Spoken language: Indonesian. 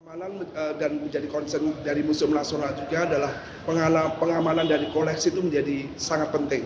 pengamanan dan menjadi concern dari museum nasional juga adalah pengamanan dari koleksi itu menjadi sangat penting